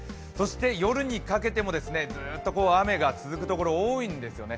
夜にかけてもずっと雨が続くところ多いんですね。